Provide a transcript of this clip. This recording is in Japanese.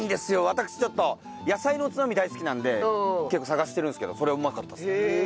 私ちょっと野菜のおつまみ大好きなんで結構探してるんですけどそれはうまかったですね。